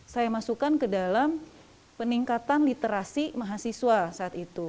saya masukkan ke dalam peningkatan literasi mahasiswa saat itu